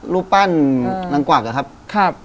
รูปปั้นนางกวักอะครับ